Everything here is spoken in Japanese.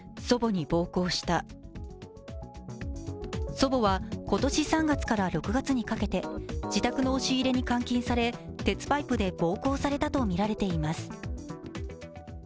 祖母は今年３月から６月にかけて自宅の押し入れに監禁され鉄パイプで暴行されたとみられています。